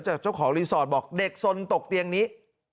เจ้าของรีสอร์ทบอกเด็กสนตกเตียงนี้